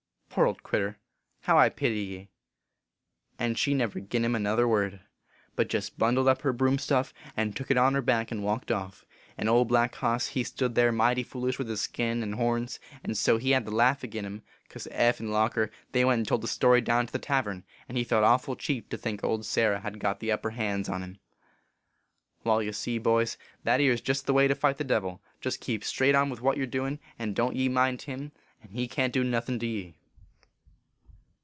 4 Poor old critter, how I pity ye ! and she never gin him another word, but jest bundled up her broom stuff, and took it on her back and walked off, and Old Black Hoss he stood there mighty foolish with his skin and horns ; and so he had the laugh agin him, cause Eph and Loker they went and told the story down to the tavern, and he felt awful cheap to think old Sarah had got the upper hands on him. " Wai, ye see, boys, that ere s jest the way to fight the Devil. Jest keep straight on with what ye re doin , and don t ye mind him, and he can t do nothin to ye."